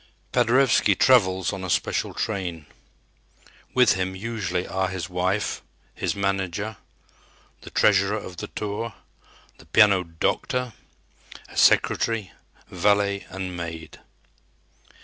Paderewski travels on a special train. With him usually are his wife, his manager, the treasurer of the tour, the piano "doctor," a secretary, valet and maid.